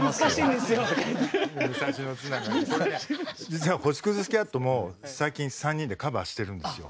実は星屑スキャットも最近３人でカバーしてるんですよ。